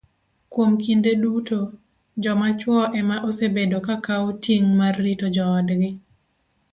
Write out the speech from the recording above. Kuom kinde duto, joma chwo ema osebedo ka kawo ting' mar rito joodgi